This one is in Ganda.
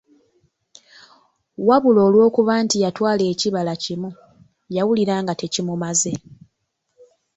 Wabula olw'okuba nti yatwala ekibala kimu, yawulira nga tekimumaze.